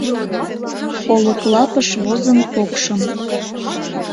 Олык лапыш возын покшым